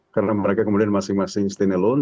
karena mereka kemudian masing masing stay alone